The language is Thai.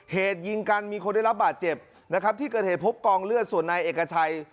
เหตุยิงกันมีคนได้รับบาดเจ็บนะครับที่เกิดเหตุพบกองเลือดส่วนนายเอกชัย